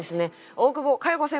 大久保佳代子先輩です。